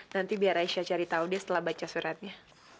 nanti biar aisyah cari tahu dia setelah baca suratnya